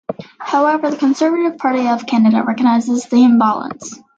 However, the Conservative Party of Canada recognizes the imbalance.